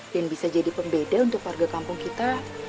dan bisa jadi pembeda untuk warga kampung kita